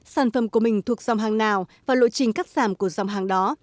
sản phẩm của mình thuộc dòng hàng nào và lộ trình cắt giảm của dòng hàng đó